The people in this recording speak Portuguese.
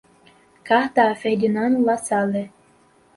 Carta a Ferdinand Lassalle